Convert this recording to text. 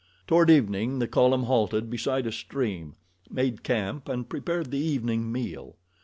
Toward evening the column halted beside a stream, made camp and prepared the evening meal.